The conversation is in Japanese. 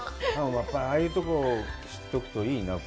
やっぱりああいうところを知っておくといいな。